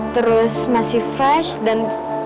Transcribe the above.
terus masih fresh dan